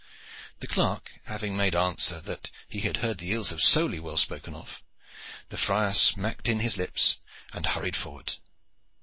The clerk having made answer that he had heard the eels of Sowley well spoken of, the friar sucked in his lips and hurried forward.